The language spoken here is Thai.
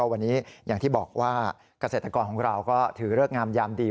วันนี้อย่างที่บอกว่าเกษตรกรของเราก็ถือเลิกงามยามดี